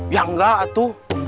ya enggak atu